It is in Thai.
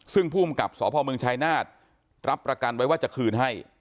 ซึ่งภูมิกับสพเมืองชายนาฏรับประกันไว้ว่าจะคืนให้